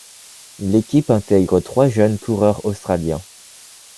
L'équipe intègre trois jeunes coureurs australiens.